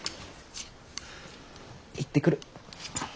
行ってくる。